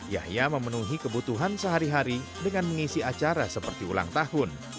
yahya memenuhi kebutuhan sehari hari dengan mengisi acara seperti ulang tahun